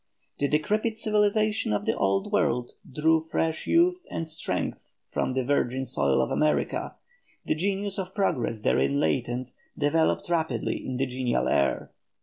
The decrepit civilization of the Old World drew fresh youth and strength from the virgin soil of America, the genius of progress therein latent developed rapidly in the genial air.